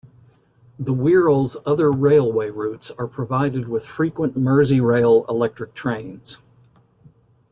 The Wirral's other railway routes are provided with frequent Merseyrail electric trains.